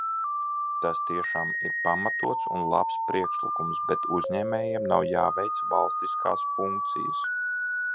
Tas tiešām ir pamatots un labs priekšlikums, bet uzņēmējiem nav jāveic valstiskās funkcijas.